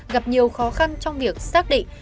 gặp nhiều khó khăn trong việc xác định